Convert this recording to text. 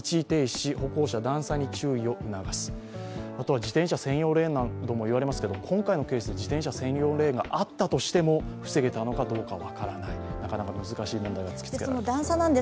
自転車専用レーンなども言われますけれども今回のケース、自転車専用レーンがあったとしても防げたのかどうか分からない、なかなか難しい問題が突きつけられています。